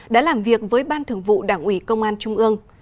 đã làm việc với ban thường vụ đảng ủy công an trung ương